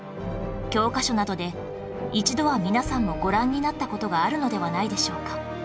教科書などで一度は皆さんもご覧になった事があるのではないでしょうか？